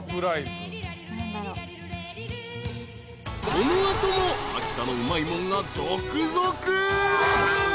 ［この後も秋田のうまいもんが続々］